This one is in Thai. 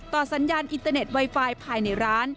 สัญญาณอินเตอร์เน็ตไวไฟภายในร้าน